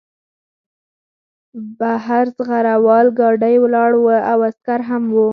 بهر زغره وال ګاډی ولاړ و او عسکر هم وو